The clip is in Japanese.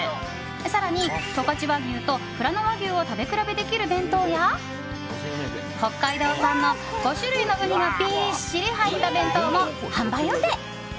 更に十勝和牛と、ふらの和牛を食べ比べできる弁当や北海道産の５種類のウニがびっしり入った弁当も販売予定。